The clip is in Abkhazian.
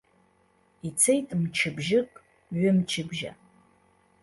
Ицеит мчыбжьык, ҩымчыбжьа.